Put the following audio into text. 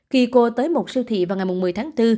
khi cô tới một siêu thị vào ngày một mươi tháng bốn